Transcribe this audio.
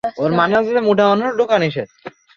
আমি স্বয়ং ব্রহ্মা।